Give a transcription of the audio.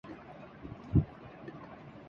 رابعہ کو مشکل وقت سے گزرنا پڑا تھا